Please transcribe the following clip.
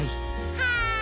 はい。